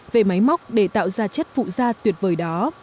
về máy móc để tạo ra chất phụ da tuyệt vời đó